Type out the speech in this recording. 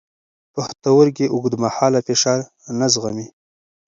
پښتورګي اوږدمهاله فشار نه زغمي.